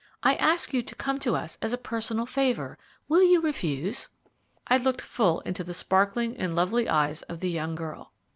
I ask you to come to us as a personal favour. Will you refuse?" I looked full into the sparkling and lovely eyes of the young girl.